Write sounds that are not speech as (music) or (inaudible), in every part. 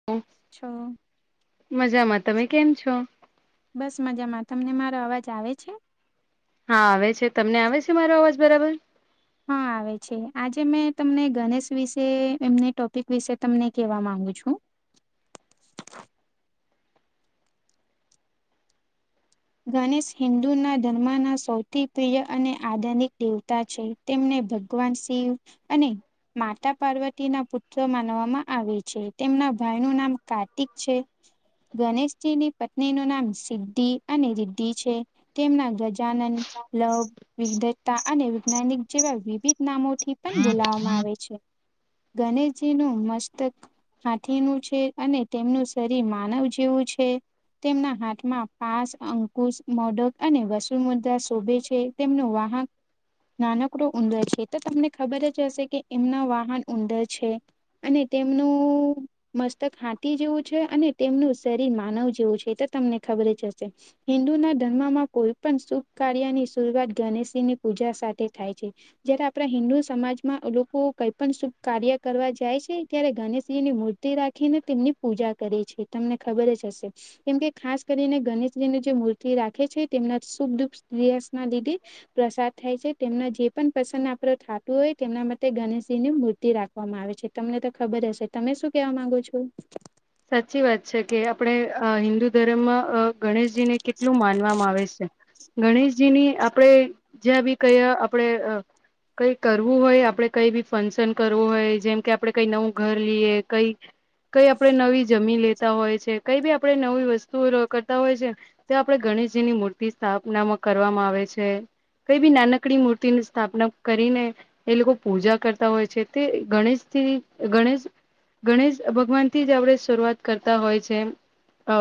(inaudible) છો. મજામાં તમે કેમ છો? બસ મજામાં તમને મારો અવાજ આવે છે? હા આવે છે, તમને આવે છે મારો અવાજ બરાબર? હા આવે છે આજે મેં તમને ગણેશ વિશે એમને ટોપિક વિશે તમને કહેવા માંગુ છું. ગણેશ હિન્દુના ધર્મના સૌથી પ્રિય અને આધનિક દેવતા છે. તેમને ભગવાન શિવ અને માતા પાર્વતી ના પુત્ર માનવામાં આવે છે, તેમના ભાઈનું નામ કાર્તિક છે. ગણેશજીની પત્નીનું નામ સિદ્ધિ અને રિદ્ધિ છે. તેમના ગજાનંન, લવ વિધતા અને વિજ્ઞાનિક જેવા વિવિધ નામોથી પણ બોલાવવામાં આવે છે. ગણેશજીનું મસ્તક હાથીનું છે, અને તેમનું શરીર માનવ જેવું છે. તેમના હાથમાં પાસ અંકુશ મોડક અને વસુમધા શોભે છે, તેમનો વાહક નાનકડો ઉંદર છે, તો તમને ખબર જ હશે કે એમના વાહન ઉંદર છે. અને તેમનું મસ્તક હાટી જેવું છે, અને તેમનું શરીર માનવ જેવું છે, એ તો તમને ખબર જ હશે હિન્દુના ધર્મમાં કોઈ પણ શુભ કાર્યની શરૂઆત ગણેશજીની પૂજા સાથે થાય છે. જયારે આપણા હિન્દુ સમાજમાં લોકો કઈ પણ શુભ કાર્ય કરવા જાય છે, ત્યારે ગણેશજીની મૂ તી રાખીને તેમની પૂજા કરે છે, તમને ખબર જ હશે કેમ કે ખાસ કરીને ગણેશ જીને જે મૂર્તિ રાખે છે, તેમના શુભ દુખના લીધે પ્રસાદ થાય છે, તેમના જે પણ પ્રસંન આપડો થાતું હોય તેમના માટે ગણેશજીની મૂર્તિ રાખ વામાં આવે છે, તમને તો ખબર હશે તમે શું કેવા માંગો છો? સાચી વાત છે કે આપણે અ હિન્દુ ધર્મમાં અ ગણેશજીને કેટલું માનવામાં આવે છે, ગણેશ જીની આપણેે જ્યાં બી કયા આપણેે કઈ કરવું હોય આપડે કઈ બી ફંક્શન કરવું હોય જેમ કે આપડે કઈ નવું ઘર લઈએ કઈ કઈ આપણે નવી જમીન લેતા હોય છે, કઈ બી આપણે નવી વસ્તુ કરતા હોય છે. તો આપણેે ગણેશજીની મૂર્તિ સ્થાપનામાં કરવામાં આવે છે. કઈ બી નાનકડી મૂર્તિની સ્થાપના કરીને એ લોકો પૂજા કરતા હોય છે, તે ગણેશથી ગણેશ ગણેશ ભગવાન થી જ આપણે શરૂઆત કરતા હોય છે, અ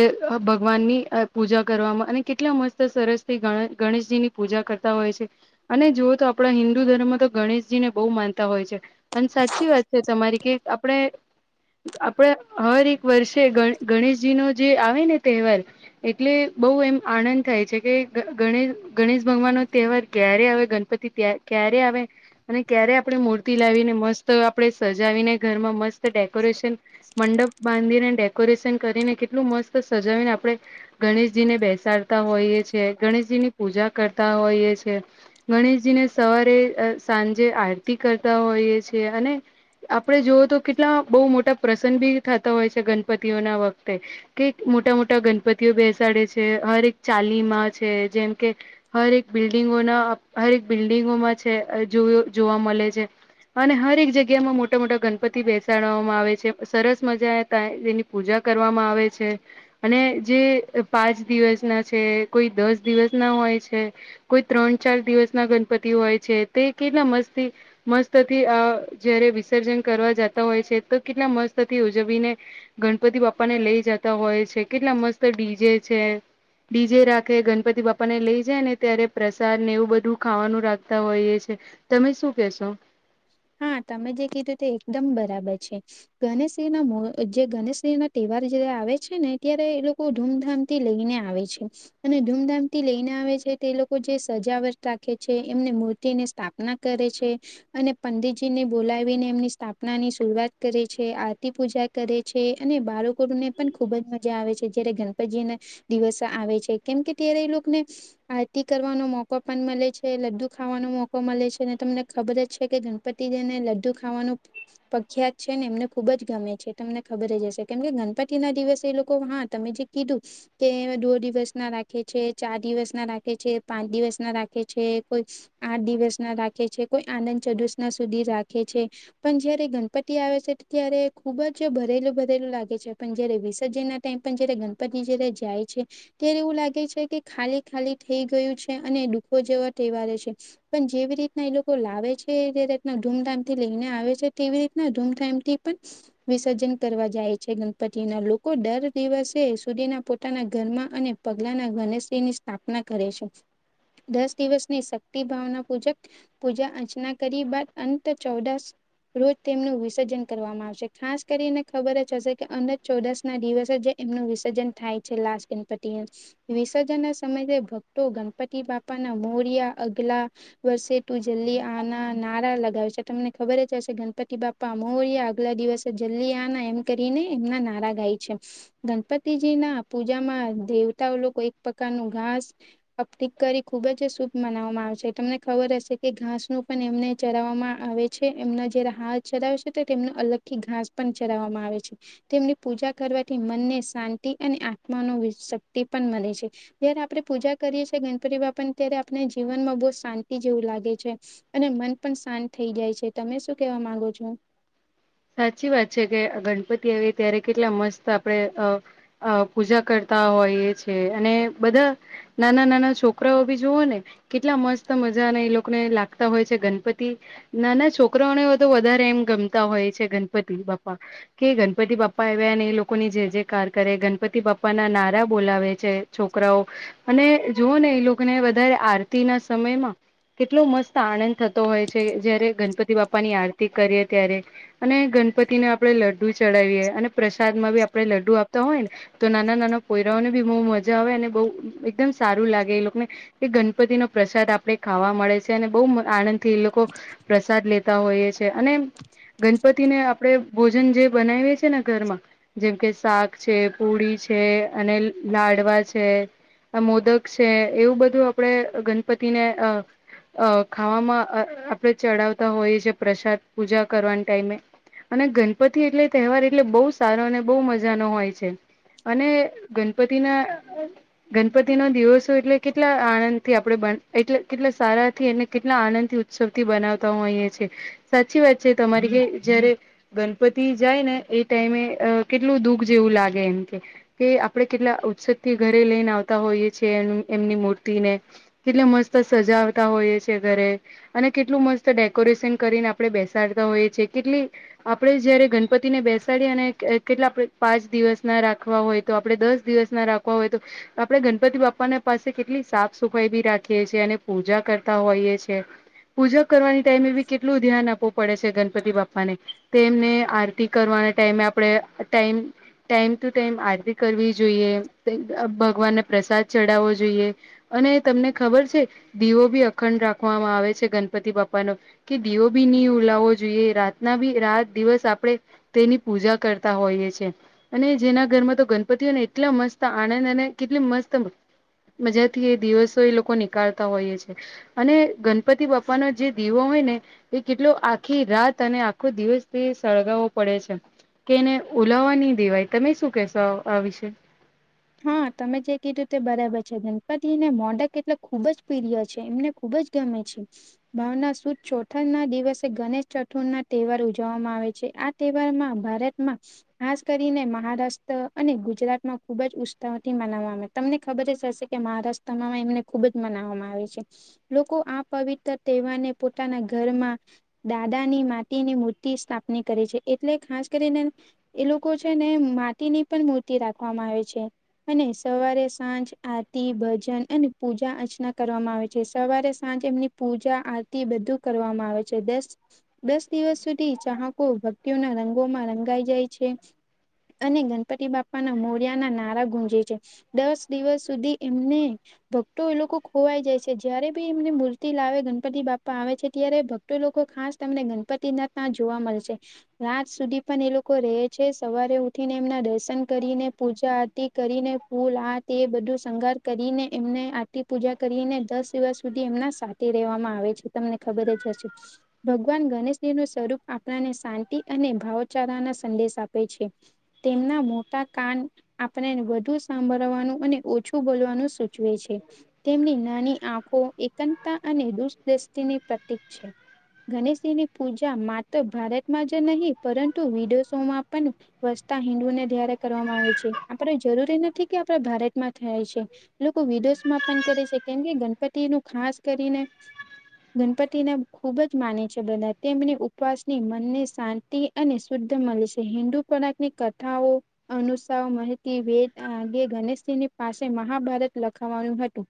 એ અ ભગવાનની પૂજા કરવામાં અને કેટલા મસ્ત સરસથી ગણે ગણેશજીની પૂજા કરતા હોય છે, અને જોઓ તો આપણા હિન્દુ ધર્મમાં તો ગણેશજી ને બોવ માનતા હોય છે. અને સાચી વાત છે, તમારી કે આપણે આપડા હર એક વર્ષે ગ ગણેશજી નો જે આવે ને તહેવાર એટલે બોવ એમ આનંદ થાય છે, કે ગણે ગણેશ ભગવાન નો તહેવાર ક્યારે આવે ગણપતિ ક્યારે આવે અને ક્યારે આપણે મૂર્તિ લાવીને મસ્ત આપણે સજાવીને ઘરમાં મસ્ત ડેકોરેશન મંડપ બાંધીને ડેકોરેશન કરીને કેટલું મસ્ત સજાવીને આપણે ગણેશજી ને બેસાડતા હોઈએ છેએ ગણેશજી ની પૂજા કરતા હોઈએ છે. ગણેશજીને સવારે સાંજે આરતી કરતા હોઈએ છેએ અને આપણે જોવ તો કેટલા બહુ મોટા પ્રસંગ બી થતા હોય છે ગણપતિઓ ના વખતે કે મોટા મોટા ગણપતિઓ બેસાડે છે હર એક ચાલીમાં છે જેમ કે હરેક બિલ્ડિંગોના હરેક બિલ્ડિંગોમાં છે જો જોવા મળે છે. અને હર એક જગ્યા માં મોટા મોટા ગણપતિ બેસે ચવામાં આવે છે સરસ મજા ત તેની પૂજા કરવામાં આવે છે. અને જે પાંચ દિવસ ના છે કોઈ દસ દિવસ ના હોય છે. કોઈ ત્રણ ચાર દિવસ ના ગણપતિ હોય છે તે કેટલા મસ્તી મસ્તથી આ જયારે વિસર્જન કરવા જતા હોય છે તો કેટલા મસ્ત થી ઉજવીને ગણપતિ બાપા ને લઈ જતા હોય છે કેટલા મસ્ત ડીજે છે. બડીજે રાખે ગણપતિ બાપા ને લઇ જાય ને ત્યારે પ્રસાદ ને એવું બધું ખાવાનું રાખતા હોઈએ છે. તમે શું કેશો? હા તમે જે કીધું તે એકદમ બરાબર છે. ગણેશ ના મો જે ગણેશ ના તહેવાર જયારે આવે છે ને ત્યારે એ લોકો ધૂમધામ થી લઈને આવે છે. અને ધૂમધામ થી લઈને આવે છે તે લોકો જે સજાવટ રાખે છે એમને તેની સ્થાપના કરે છે. અને પંડિતજીને બોલાવીને એમની સ્થાપના ની શરૂઆત કરે છે આરતી, પૂજા, કરે છે અને બાળકોને પણ ખુબ જ મજા આવે છે. જયારે ગણપતિને દિવસ આવે છે કેમ કે ત્યારે એ લોકોને આરતી કરવાનો મોકો પણ મળે છે લડ્ડુ ખાવાનો મોકો મળે છે ને તમને ખબર જ છે કે ગણપતિ જેને લડું ખાવાનું પ્રખ્યાત છે ને એમને ખુબ જ ગમે છે. તમને ખબર જ હશે કેમ કે ગણપતિ ના દિવસે એ લોકો હા તમે જે કીધું કે દો દિવસ ના રાખે છે, ચાર દિવસ ના રાખે છે, પાંચ દિવસ ના રાખે છે, કોઈ આઠ દિવસ ના રાખે છે કોઈ આનંદ ચૌદસ ના સુધી રાખે છે. પણ જયારે ગણપતિ આવે છે ત્યારે ખુબ જ ભરેલું ભરેલું લાગે છે પણ જયારે વિસર્જનના ત પણ જયારે ગણપતિ જય્યારે જાય છે. ત્યારે એવું લાગે છે કે ખાલી ખાલી થઈ ગયું છે અને દુઃખો જેવા ટેવારે છે. પણ જેવી રીતના એ લોકો લાવે છે જે રીતના ધૂમધામથી લઈને આવે છે તેવી રીતના ધૂમધામથી પણ વિસર્જન કરવા જાય છે. ગણપતિના લોકો દર દિવસે સુધીના પોતાના ઘરમાં અને પગલાના ગણેશ્રી ની સ્થાપના કરે છે. દસ દિવસની શક્તિ ભાવના પૂજક પૂજા અર્ચના કરી બાદ અંત ચૌદશ રોજ તેમનું વિસર્જન કરવામાં આવશે ખાસ કરીને ખબર જ હશે કે અનંત ચોદશ ના દિવસે જે એમનું વિસર્જન થાય છે લાસ્ટ ગણપતિ વિસર્જન ના સમયે ભક્તો ગણપતિ બાપાના મોરિયા અગલા વર્ષે તું જલ્દી આના નારા લગાવે છે તમને ખબર જ હશે ગણપતિ બાપા મોરિયા આગલા દિવસ જલ્દી આના એમ કરીને એમના નારા ગાય છે. ગણપતિજી ના પૂજામાં દેવતાઓ લોકો એક પ્રકાર ન ઘાસ ઓપ્ટિક કરી ખુબ જ શુભ મનાવવામાં આવેશે તમને ખબર હશે એ ઘાસ નું પણ એમને ચરાવવામાં આવે છે એમના જે હા ચરાવે છે તેમનું અલગ થી ઘાસ પણ ચરાવવામાં આવે છે. તેમની પૂજા કરવાથી મનને શાંતિ અને આત્માનો શક્તિ પણ મળે છે. જયારે આપડણે પૂજા કરીએ છીએ ગણપતિ બાપાને ત્યારે આપણે જીવનમાં બહુ શાંતિ જેવું લાગે છે. અને મન પણ શાંત થઈ જાય છે. તમે શું કેવા માંગો છો? સાચી વાત છે કે ગણપતિ આવી ત્યારે કેટલા મસ્ત આપણે અ પૂજા કરતા હોય એ છે અને બધા નાના નાના છોકરાઓ બી જુઓ ને કેટલા મસ્ત મજાને એ લોકોને લાગતા હોય છે ગણપતિ. ના ના છોકરાઓને તો વધારે એમ ગમતા હોય છે ગણપતિ બાપા. કે ગણપતિ બાપા આવ્યા ને એ લોકોની જે જે કાર કરે ગણપતિ બાપ્પાના નારા બોલાવે છે. છોકરાઓ અને જોવો ને એ લોકોને વધારે આરતી ના સમયમાં કેટલો મસ્ત આનંદ થતો હોય છે, જયારે ગણપતિ બાપા ની આરતી કરીએ ત્યારે. અને ગણપતિને આપડે લડ્ડુ ચડાવીએે અને પ્રસાદ માં બી આપણે લડ્ડુ આપતા હોય ને. તો નાના નાના કોયરાઓને બી બહુ મજા આવે અને બવ એકદમ સારું લાગે એ લોકોને. એ ગણપતિ નો પ્રસાદ આપણે ખાવા મળે છે અને બહુ આનંદ થી એ લોકો પ્રસાદ લેતા હોઈએ છે અને ગણપતિને આપણે ભોજન જે બનાવીએ છીએ ને ઘરમાં જેમ કે શાક છે, પૂડી છે અને લાડવા છે. મોદક છે એવું બધું આપણેે ગણપતિને અ અ ખાવામાં આપણેે ચડાવતા હોઈએ પ્રસાદ પૂજા કરવાની ટાઈમે અને ગણપતિ એટલે તહેવાર એટલે બહુ સારો અને બહુ મજાનો હોય છે. અને ગણપતિ ના ગણપતિ નો દિવસો એટલે કેટલા આનંદ થી આપડે એટલે કેટલા સારા થી અને કેટલા આનંદ થી સૌથી બનાવતા હો અહી છે સાચી વાત છે તમારી કે જયારે ગણપતિ જાય ને એ ટાઈમે કેટલું દુઃખ જેવું લાગે એમ કે. કે આપડે કેટલા ઉત્સધ થી ઘરે લઈને આવતા હોઈએ છીએ એમની મૂર્તિને. કેટલે મસ્ત સજાવતા હોઈએ છેએ ઘરે અને કેટલું મસ્ત ડેકોરેશન કરીને આપણે બેસાડતા હોઈએ છીએ કેટલી આપડે જયારે ગણપતિને બેસાડી અને કેટલા આપણે પાંચ દિવસ ના રાખવા હોય તો આપડે દસ દિવસ ના રાખવા હોય તો આપણે ગણપતિ બાપાને પાસે કેટલી સાફ સફાઈ બી રાખીએ છીએ અને પૂજા કરતા હોઈએ છે. પૂજા કરવાની ટાઈમે એ બી કેટલું ધ્યાન આપવું પડે છે ગન પતિ બાપા ને તેમને આરતી કરવાના ટાઈમે આપણે ટાઈમ ટાઈમ ટુ ટાઈમ આરતી કરવી જોઈએ, ભગવાનને પ્રસાદ ચડાવવો જોઈએ. અને તમને ખબર છે દીવો ભી અખંડ રાખવામાં આવે છે ગણપતિ બાપાનો કે દીવો બી નહી ઉલા જોઈએ રાતના બી રાત દિવસ આપણે તેની પૂજા કરતા હોઈએ છે. અને જેના ઘરમાં તો ગણપતિઓને એટલા મસ્ત આનંદ અને કેટલી મસ્ત મજાથી એ દિવસો એ લોકો નીકળતા હોઈએ છે અને ગણપતિ બાપાનો જે દીવો હોય ને એ કેટલો આખી રાત અને આખો દિવસથી સળગાવવો પડે છે. કે એને ઓલાવવા નહી દેવાય, તમે શું કેહેશો આ વિશે? હા તમે જે કીધું તે બરાબર છે. ગણપતિને મોડક એટલે ખુબ જ પ્રિય છે એમને ખુબ જ ગમે છે. ભાવના સુદ ચોથા ના દિવસે ગણેશ ચતુર ના તહેવાર ઉજવવામાં આવે છે. આ તહેવારમાં ભારતમાં ખાસ કરીને મહારાષ્ટ્ર અને ગુજરાતમાં ખુબ જ ઉત્સવથી મનાવ આવે તમને ખબર જ હશે કે મહારાષ્ટ્રમાં એમને ખુબ જ મનાવવામાં આવે છે. લોકો આ પવિત્ર તહેવારને પોતાના ઘરમાં દાદા ની માટી ની મૂર્તિ સ્થાપની કરે છે એટલે ખાસ કરીને એ લોકો છે ને માટીની પણ મૂર્તિ રાખવામાં આવે છે. અને સવારે સાંજ આરતી, ભજન અને પૂજા અર્ચના કરવામાં આવે છે સવારે સાંજ એમની પૂજા આરતી બધું કરવામાં આવે છે. દસ દસ દિવસ સુધી ચાહકો ભક્તિઓના રંગોમાં રંગાઈ જાય છે. અને ગણપતિ બાપા ના મોરિયા ના નારા ગુંજે છે દસ દિવસ સુધી એમને ભક્તો એ લોકો ખોવાય જાય છે. જયારે ભી એમને મૂર્તિ લાવે ગણપતિ બાપા આવે છે ત્યારે ભક લોકો ખાસ તમને ગણપતિનાથ ના જોવા મળશે રાત સુધી પણ એ લોકો રહે છે સવારે ઉઠીને એમના દર્શન કરીને પૂજા કરીને ફૂલ આ તે એ બધું શંગાર કરીને એમને આરતી પૂજા કરીને દસ દિવસ સુધી એમના સાથે રેવામાં આવે છે તમને ખબર જ હશે ભગવાન ગણેશજી નું સ્વરૂપ આપણાને શાંતિ અને ભાવચારા ના સંદેશ આપે છે તેમના મોટા કાન આપણેને વધુ સાંભળવાનું અને ઓછું બોલવાનું સૂચવે છે તેમની નાની એકમતા અને દુષદૃષ્ટિની પ્રતીિક છે ગણેશજીની પૂજા માત્ર ભારતમાં જ નહીં પરંતુ વિદેશોમાં પણ વસ્તા હિન્દુને ધ્યારે કરવામાં આવે છે આપડ જરૂરી નથી કે આપડ ભારતમાં થાય છે લોકો વિદોષમાપન કરે છે કેમ કે ગણપતિ નું ખાસ કરીને ગણપતિને ખૂબ જ માને છે બધા તેમની ઉપવાસની મનને શાંત અને શુદ્ધ મળે છે હિન્દુ પરાકની કથાઓ અનુષ વેદ અંગે ગણેશજીની પાસે મહાભારત લખાવાનુંું હતું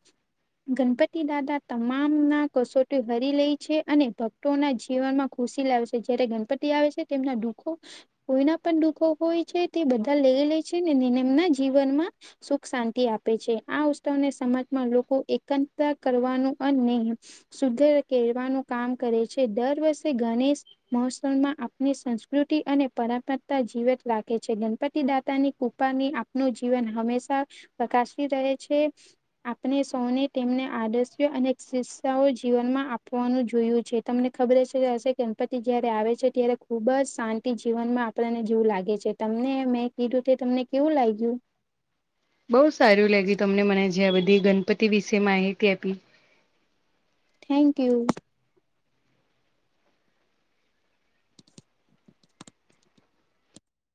ગણપતિ દાદા તમામ ના કસોટી હરી લઈ છે અને ભક્ ના જીવનમાં ખુશી લાવશે જયારે ગણપતિ આવે છે તેમના દુઃખ કોઈના પણ દુઃખો હોય છે તે બધા લઈ લે છે ને એમના જીવનમાં સુખ શાંતિ આપે છે આ ઉત્સવને સમાજમાં લોકો એકતા કરવાનું અને નહી શુદ્ધ કેરવાનું કામ કરે છે દર વર્ષે ગણેશ મહોત્સવમાં આપની સંસ્કૃતિ અને પરંપરાતા જીવત રાખે છે ગણપતિ દાતાની કુ ની આપનું જીવન હંમેશા પ્રકાશી રહે છે આપણે સૌને તેમને આદર્શ્યો અને શિક્ષાઓ જીવનમાં આપવાનું જોયું છે તમને ખબર છે કે હશે ગણપતિ જય્યારે આવે છે ત્યારે ખૂબ જ શાંતિ જીવનમાં આપણને જવું લાગે છે તમને મેં કીધું તે તમને કેવું લાગ્યું બહુ સારું લાગ્યું તમને મને જે આ બધી ગણપતિ વિશે માહિતી આપી થેન્ક યુ